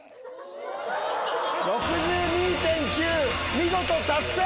見事達成！